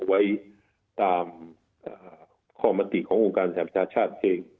ไว้ตามข้อมติของโลกการสถาปัญชาชาชน์